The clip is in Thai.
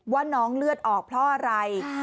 ว่าน้องเลือดออกเพราะอะไร